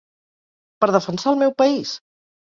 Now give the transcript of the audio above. Per defensar el meu país?